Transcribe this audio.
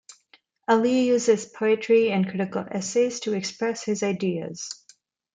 Ali uses poetry and critical essays to express his ideas.